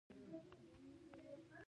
له سپین ږیرو مخورو کنداریانو.